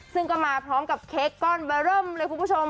ซึ่งก็มาพร้อมกับเค้กก้อนเบอร์เริ่มเลยคุณผู้ชม